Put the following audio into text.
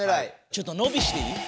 ちょっとのびしていい？